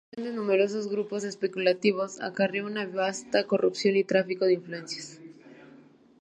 La participación de numerosos grupos especulativos acarreó una vasta corrupción y tráfico de influencias.